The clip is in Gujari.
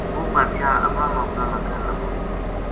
وہ بادشاہ اپنا نوکراں نا کہن لگو